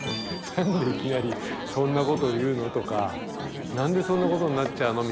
「何でいきなりそんなこと言うの？」とか「何でそんなことになっちゃうの？」